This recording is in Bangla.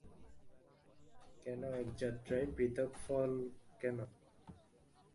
কেন, এক যাত্রায় পৃথক ফল কেন?